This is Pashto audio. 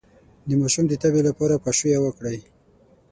د ماشوم د تبې لپاره پاشویه وکړئ